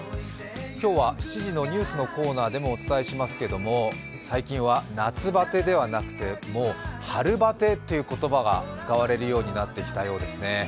今日は７時のニュースのコーナーでもお伝えしますけれども、最近は夏バテではなくて春バテという言葉が使われるようになってきたようですね。